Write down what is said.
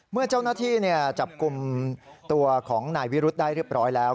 เมื่อเจ้าหน้าที่จับกลุ่มตัวของนายวิรุธได้เรียบร้อยแล้ว